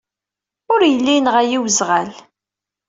Ur yelli yenɣa-iyi weẓɣal.